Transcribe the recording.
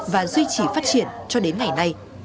và duy trì phát triển cho đến ngày nay